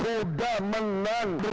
mengimbau jangan berpengsung